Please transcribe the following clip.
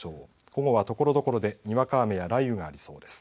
午後はところどころでにわか雨や雷雨がありそうです。